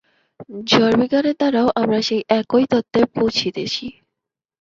জড়বিজ্ঞানের দ্বারাও আমরা সেই একই তত্ত্বে পৌঁছিতেছি।